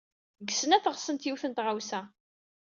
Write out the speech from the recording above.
Deg snat ɣsent yiwet n tɣawsa.